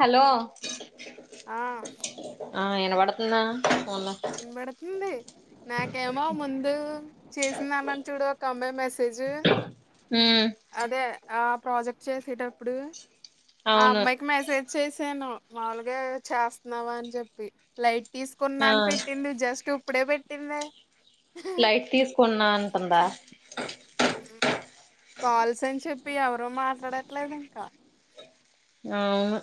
Hello ఉం ఆ ఆ విన పడతందా వినబడతంది నాకేమో ముందు చేసింద అన్నాను చూడు ఒక అమ్మాయి మెసేజ్ ఉం అదే ఆ ప్రాజెక్ట్ చేసేటప్పుడు ఆ అవును అమ్మాయికి మెసేజ్ చేసాను మాములుగా చేస్తన్నావా అని చెప్పి లైట్ తీసుకున్నా ఆ అని పెట్టింది జస్ట్ ఇప్పుడే పెట్టింది లైట్ తీసుకున్నా అంటందా ఉహు కాల్స్ అని చెప్పి ఎవరు మాట్లాడట్లేదు ఇంకా అవును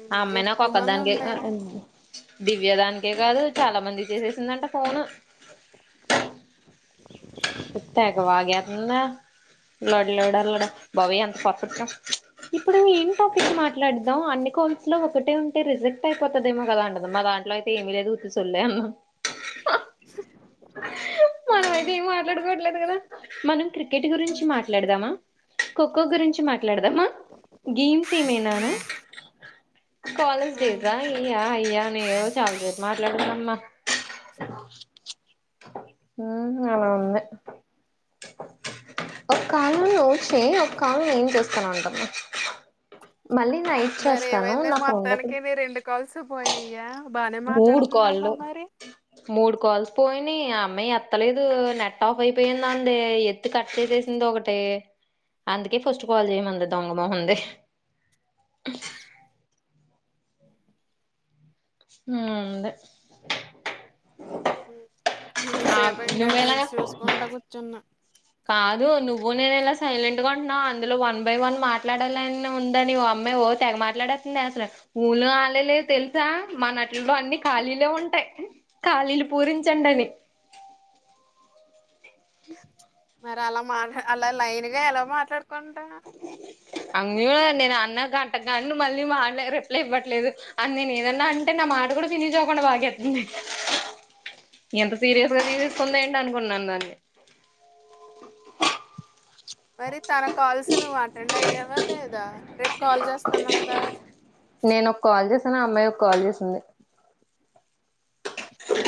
ఉమ్ అమ్మాయి నాకు ఎక్కువ ఒక్క మంది దానికి ఉంటాయనే దివ్య దానికే కాదు చాలా మంది చేసేసిందంట ఫోను తెగవేత్తుందే లోడ లోడ అయ్యబాబో ఎంత పర్ఫెక్ట్ ఇప్పుడు ఏం టాపిక్ మాట్లాడద్దాం అన్ని కాల్స్ లో ఒకటే ఉంటే రిజెక్ట్ అయిపోతుదేమో కదా అంటారుమా దాంట్లో ఇంట్లో అయితే ఏమి లేదు కూర్చోండి అన్నారు పిట్ట సౌండ్ మనమైతే ఏం మాట్లాడడం మనం క్రికెట్ గురించి మాట్లాడదామా కొక్కో గురించి మాట్లాడుకుందామా మాట్లాడదామా గేమ్స్ ఏమన్నానా కాలేజ్ ఆ డేస్ స అయ్యా అయ్యా ఏమో చాలాసేపు మాట్లాడుందమ్మా ఉ ఆలా ఉంది ఒక కాల్ నువ్వు చెయ్ ఒకసారి నేను చేస్తా అంటుంది మరీ ఏమైంది ఒకడు మొత్తానికి రెండు కాల్స్ పోయినయ్యా బానే మూడు మాట్లాడతుంది అన్నా కాళ్ళు మరి మూడు కాల్స్ పోయియి అమ్మాయి ఎత్తలేదు నెట్ ఆఫ్ అయిపోయిందా అంది ఎత్తి కట్ చేసేసింది ఒకటి అందుకే ఫస్ట్ కాల్ చేయ్యమంది దొంగ మెహందీ పీట్ట సౌండ్ ఉ అద ఇతసేపు ఇంక నువ్వెలా రీల్స్ చూసుకుంటా కూర్చున్న నువ్వు నేను ఎలా సైలెంట్ ఎందుకు ఉంటున్నావ్ అందులో వన్ బై వన్ మాట్లాడాలని ఉందని ఓ అమ్మాయి ఓ తెగ మాట్లాడేసింది అసలు ఆలేలేదు తెలుసా మ నటులో అన్ని ఖాళీలే ఉంటాయి ఖాళీలు పూరించండి అని టీవీ సౌండ్ మరి అలా మా అలా లైన్ గా ఎలా మాట్లాడుకుంటా అంగ నేను అన్న గంటగా మళ్ళీ మాలా రిప్లై ఇవ్వట్లేదు అని నేను ఏదన్నా అంటే మాట కూడా ఫనికుండా భాయతుంది ఎంత సీరియస్ గా తీసుకుంద ఏంటి అనుకున్నాను దాన్ని మరి తన కాల్స్ నువ్వు అటెండ్ అయ్యావా లేదా రేపు కాల్ చేస్తానందా నేను ఒక కాల్ చేసాను ఆ అమ్మాయి ఒక కాల్ చేసింది ఓ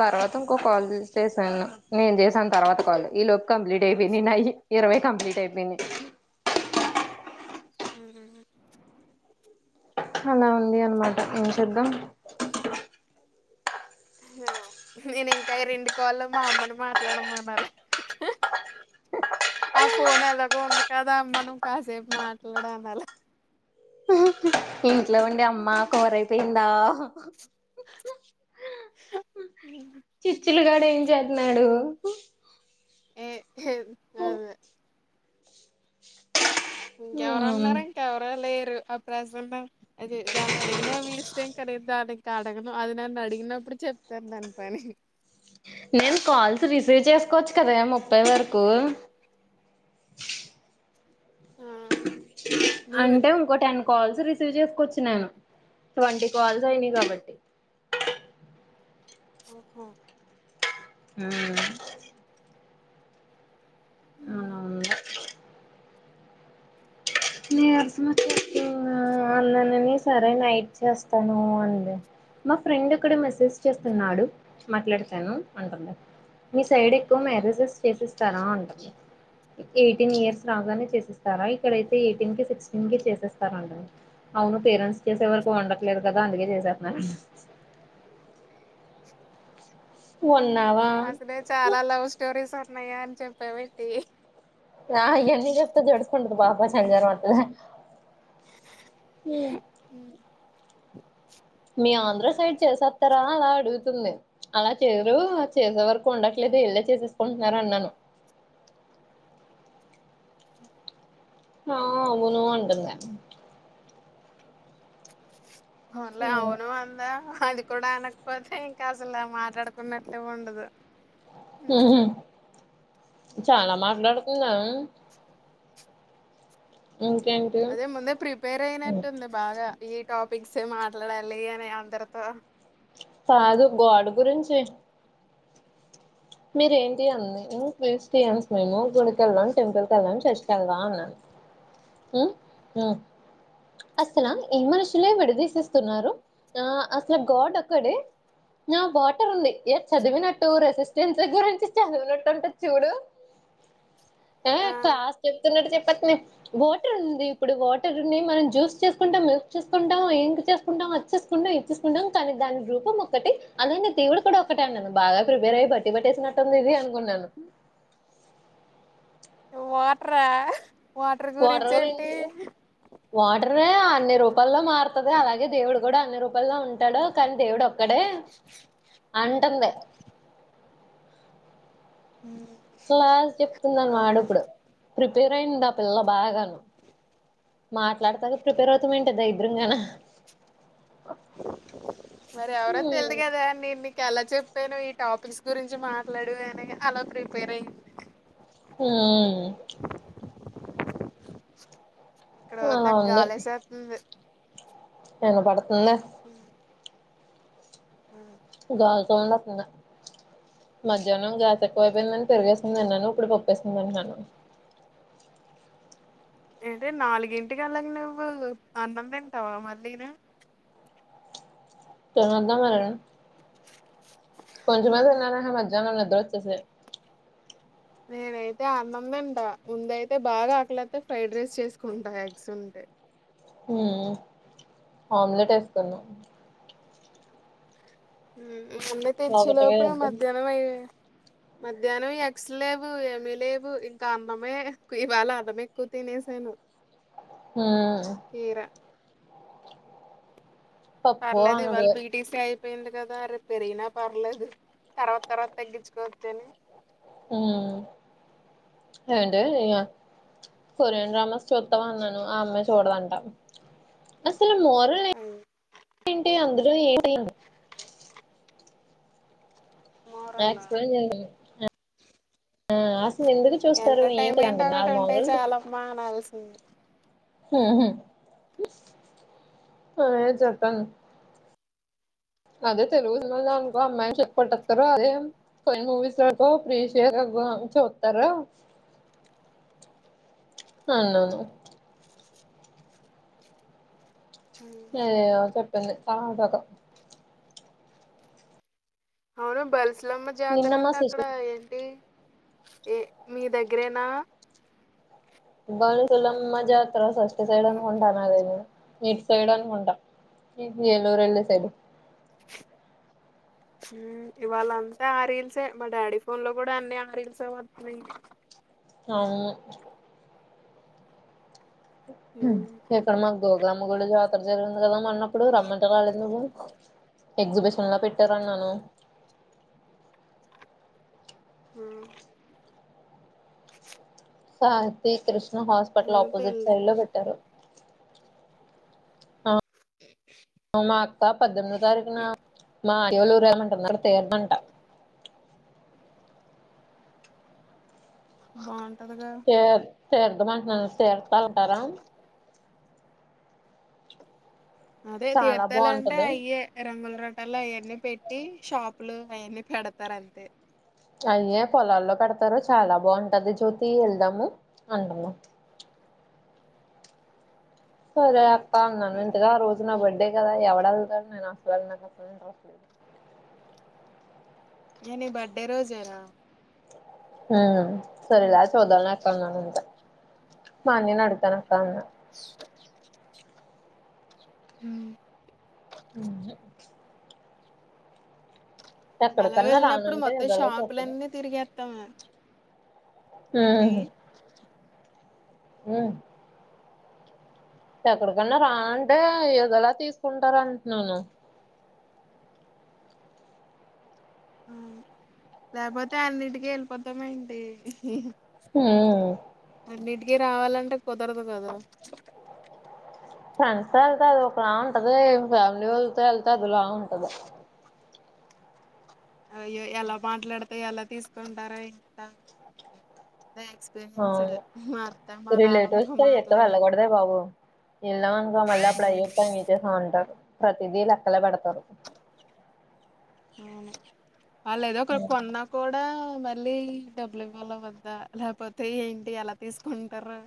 తర్వాత ఇంకో కాల్ చేశాను నేను చేసాను తర్వాత కాల్ ఈ లోపు కంప్లీట్ అయిపోయినాయి ఇరవై కంప్లీట్ అయిపోయింది ఉ హు అలా ఉంది అనమాట ఏం చేద్దాం నేను ఇంకా ఈ రెండు కాళ్లు మా అమ్మని మాట్లాడం మానాలి ఆ ఫోన్ ఎలాగో ఉంది కదా అమ్మా నువ్వు కాసేపు మాట్లాడాన అలా ఇంట్లో ఉండి అమ్మా కూరైపోయిందా చిచ్చులుగాడు ఏం చేస్తున్నాడు ఉ ఏం చేతేలే ఇంకెవరున్నారు ఇంకెవరో లేరు ఆ ప్రజెట్ అదే దాన్ని అడిగిన మీ ఇష్టం ఏం కనీదు దానికినికి అడగను అది నన్ను అడిగినప్పుడు చెప్పింది అయిపోయిందా పని ఫ్రీ చేసుకోవచ్చు కదా ముప్పై వరకు నూరు అంటే ఇంకో టెన్ కాల్స్ చేసుకొచ్చి నను ట్వంటి కాల్స్ అయినాయి కాబట్టి మ్మ్ ఉహ్మ్ ఉమ్మ్ ఉమ్మ్ నా టియియర్స్ నుచి యట్లో వల్లనని సరే నైట్ చేస్తాను అంది మా ఫ్రెండ్ ఒకడు మెసేజ్ చేస్తున్నాడు మాట్లాడతాను అంటుంది మీ సైడ్ ఎక్కువ మ్యారేజెస్ చేసిస్తారా అంటుంది ఎయిటీన్ ఇయర్స్ రాగానే చేసేస్తారా ఇక్కడైతే ఎయిటీన్ కే సెవెన్కె చేసేస్తారు అంటుంది అవును పేరెంట్స్ చేసే వరకు ఉండట్లేదు కదా అందుకే చేసేత్తున్న అన్న ఆ ఉన్నావా అసలే చాలా లవ్ స్టోరీస్ ఉన్నాయన్ చేప్పవేట్టి య ఇయన్ని చెప్తే జడ్స్కంటది బాబే చలి జ్వరం వత్తాది మ్మ్ మీ ఆంధ్ర అయ్యో సైడ్ చేసేత్తార అల అడుగుతుంది అలా చేయరు చేసే వరకు ఉండట్లేదు ఇళ్ళే చేసేసుకుంటున్నారు అన్నాను ఆ అవును అంటుందా అవున్‌లా అవును అందా అది కూడా అనకపోతే ఇంకా అసలు మాట్లాడుకున్నటే ఉండదు ఉమ్. హ్మ్ చాలా మాట్లాడుకుందా అదే ముందే ప్రిపేర్ అయినట్టుంది బాగా ఈ టాపిక్స్ ఏ మాట్లాడాలి అని అందరితో కాదు గాడ్ గురించి మీరేంటి అంది మ్మ్ క్రిస్టియన్స్ మేము గుడికేళ్దాం టెంపుల్ కేళ్దాం చర్చ్ కేళ్దాం అన్నాను మ్మ్ మ్మ్ అస్సలా ఈ మనుషులే విడదీసేస్తున్నారు ఆ అసలు గాడ్ ఒక్కడే నా బాటర్ ఉంది ఏ చదివినటు రెసి స్టెన్స్ దగ్గర్నుంచి చదివినట్టుంటది చూడు ఎ ఆ క్లాస్ చెప్తున్నట్టు చెప్పే వాటర్ ఉంది ఇప్పుడు వాటర్ని మనం జ్యూస్ చేసుకుంటాం మిల్క్ చేసుకుంటాం ఇంక్ చేసుకుంటాం అ ది చేసుకుంటాం ఇది చేసుకుంటాం కానీ దాని రూపం ఒకటి అదేనే దేవుడు కూడా ఒకటే అన్నాను బాగా ప్రిపేర్ అయి బ తెబట్టేసినట్టుంది ఇది అనుకున్నాను వాట్ రా వాటర్ గురించి వాటర్దే అన్ని రూపాల్లో మారుతాది అలాగే దేవుడు కూడా అన్ని రూపాల్లో ఉం టాడు కానీ దేవుడు ఒక్కడే అంటుంది ఉమ్, క్లాస్ చెప్తున్నాను బాబాయ్ మావాడిప్పుడు ప్రిపేర్ ట్రెండ్ ఆ పిల్ల బాగాను మాట్లాడతాది ప్రిపేర్ అవుతా ఏన్ సే దరిద్రంగాన మరి ఎవరో ఉమ్ తెల్దు కదా నేను నీకు ఎలా చె పాను ఈ టాపిక్స్ గురించి మాట్లాడు అనే అలా ప్రిపేర్ అయింది మ్మ్ ఉమ్మ్ ఇక్కడ పోతే అలా ఉంది గాలిసేత్తుంది వినపడుతుందా మ్మ్ గాల్ సౌండ్ వత్తుంది మధ్యాహ్నం గ్యాప్ ఎక్కువైపోయిందని పెరుగేసుకొని తిన్నాను ఇప్పుడు పప్పేసుకొని తింటున్నాను ఏంటి నాలుగింటికేళ్లాగ నువ్వు అన్నం తింటావా మళ్ళీను తినొద్దా మరిగా కొంచమే తిన్నాను ఆహ్య మధ్యాహ్నం నిద్రొచ్చేసి నేనైతే అన్నంతింట ముందైతే బాగా ఆకలైతే ఫ్రైడ్ రైస్ చేసుకుంటా ఎగ్స్ ఉంటే ఉ ఆమ్లెట్ వేసుకున్నా ఉ మమ్మీ ఒకటిగా తెచ్చిలోపే వద్దు మధ్యాహ్నం అయి మధ్యాహ్నం ఎగ్స్ లేవు ఏమి లేవు ఇంకా అన్నామే ఇవాళ అన్నామే ఎక్కువ తినే సను మా పప్పు పర్లేదు ఇవాళ అన్నది బీటిసీ అయి పేయింది కదా అరే పెరిగిన పర్లేదు తర్వాత తర్వాత తగ్గించుకోవచ్చు అని ఉ ఏంటే నియ కొరియన్ డ్రామాస్ చూద్దాం అన్నాను ఆ అమ్మాయి చూడదంట అసలు మోరల్ ఏంటి అందులో ఏంటి ప్రాక్స్ మోరల్లా ప్రేన్ చేయను ఆ అసలు ఎందుకు ఎంత చూస్తారు టైం ఏమి అందు ఏంటో నాగు ఒకటి ఉంటే మామి చాలమ్మా అనాల్సింది నువ్ ఏం చెట్టాను అదే తెలుగు సినిమా అనుకో అమ్మాయిని చెప్పట్టస్తారు అదే కొన్ని మూవీస్ లోతో ప్రీషియ గోవా నుంచి వత్తర నన్ను ను అది ఏదో చెప్పింది టమాటా తో అవును బల్సులమ్మ జాతర నిన్న మా అంటే అక్కడ సిస్టర్ ఏంటి ఏ మీ దగ్గరేనా బల్సులమ్మ జాతర ఫస్ట్ సైడ్ అనుకుంట నా దేని మీట్ సైడ్ అనుకుంట ఈ ఏలూరు వెళ్లే సైడ్ ఉ ఇవాళ అంతా ఆ రీల్సే మా డాడీ ఫోన్ లో కూడా అన్ని ఆ రీల్స్ ఏ వస్తున్నాయి నా నిన్నే ఉ ఇక్కడ మాకు గో గ్రామ గుళ్లో జాతర జరిగింది కదా మొన్న ఎప్పుడు రమ్మంటే రాలేదు నువ్వు ఎగ్జిబిషన్ లో పెట్టారన్నాను ఆ శాంతి కృష్ణ హాస్పిటల్ ఏమో ఆపోజిట్ తెలీదు సైడ్ లో పెట్టారు ఆ మా అక్క పద్దెనిమిది తారీఖు నా మాట్ ఎవలూరు ఏమంటం నరును తెరునంట మహాన్ తర్ తరదుమంట తరతా ఉంటారా అదే చాలా తీర్తథాల అంటే బాగుంటది అయ్యే రంగుల్ ర టల్లా ఇవన్ని పెట్టి షాపులు అవన్ని పెడతారు అంతే అయ్యే పొలాల్లో పెడతారు చాలా బాగుంటది జ్యోతి వెళ్దాము అంటానా సరే అక్కా ఉన్నాను ఏ ఎంతగా రోజున బడ్డి అంతే కదా ఎవ్వడు వెళ్ళతాడు నేను అసలు వెళ్ళాను నాకు అసలు ఇంట్రెస్ట్ లేదు నేను ఈ బర్డే రోజేనా ఉ సరే లే చూదాంలే అక్క అన్నాను అంతే వాడు నిన్ను అడుగుతానా అక్క అన్నాడు ఉ ఉహు అలా ఎక్కడికన్నా వెళ్ళినప్పుడు రానంటే మొత్తం ఏదోలా చెప్పదు షాపులన్నీ తిరిగేస్తామే ఏంటి అన్నా ఎక్కడికన్నా రా అంటే ఏదోలా తీసుకుంటారు అంటున్నాను అవును లేకపోతే అన్నింటికి వెళ్ళిపోతామ ఏంటి హు అన్నిటికీ రావాలంటే కుదరదు కదా ఫ్రెండ్స్తో వెళ్తే అది ఒకలా ఉంటది ఫ్యామిలీ వాళ్ళతో వెళ్తే అదిలా ఉంటది అయ్యో ఎలా మాట్లాడతేా ఎలా తీసుకుంటారా ఇంత ఎక్స్పీరియన్స్ అవును మా అత మా నాన్నంతో మాట్లాడి ఎలాకా మల్ళ అప్పుడైయ తాంగతే సాంటారు ప్రతిదీల అక్కలే పడతడు అవును వాళ్ళ ఏదో ఒకరు కొన్నా కూడా మళ్ళీ డబ్లి ఇవ్వల వద్ద లేకపోతే ఏంటి ఎలా తీసుకుంటారు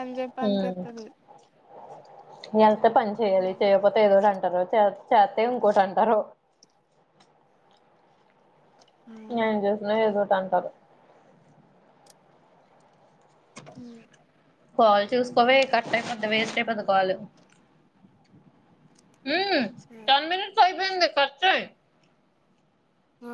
అని చెప్పి అనిపిత్తది వెళ్తే పని చేయాలి చేయకపోతే ఏదో రంట చేస్త ఇంకోటి అంటారు అవును నం చేసిన ఏదిట అంటారు హ కాలు చూసుకోవే కట్ట అయిపోద్ద వేస్ట్ అయిపోద్ద కాలు స ంది కర్చా ఆ